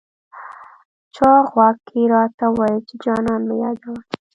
چا غوږ کي راته وويل، چي جانان مه يادوه